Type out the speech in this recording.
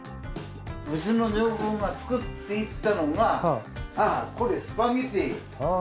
うちの女房が作っていったのがこれスパゲッティ。